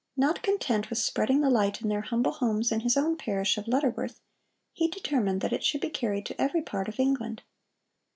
Not content with spreading the light in their humble homes in his own parish of Lutterworth, he determined that it should be carried to every part of England.